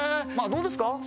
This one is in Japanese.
まあどうですか？